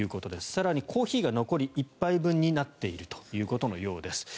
更に、コーヒーが残り１杯分になっているということのようです。